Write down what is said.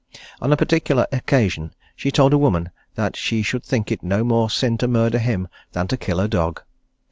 On a particular occasion, she told a woman that she should think it no more sin to murder him than to kill a dog.